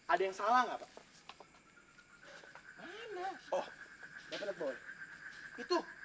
ada yang salah nggak pak